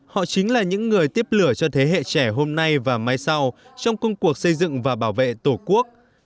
họ chính là những người tiếp lửa cho thế hệ trẻ hôm nay và mai sau trong công cuộc xây dựng và bảo vệ tổ quốc